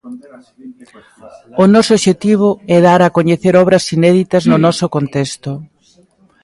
O noso obxectivo é dar a coñecer obras inéditas no noso contexto.